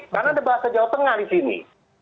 karena ada bahasa jawa tengah disini